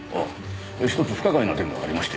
１つ不可解な点がありまして。